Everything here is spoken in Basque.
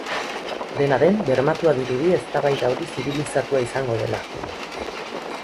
Dena den bermatua dirudi eztabaida hori zibilizatua izango dela.